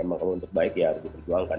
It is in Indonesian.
emang kalau untuk baik ya harus diperjuangkan